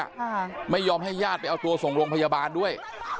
ค่ะไม่ยอมให้ญาติไปเอาตัวส่งโรงพยาบาลด้วย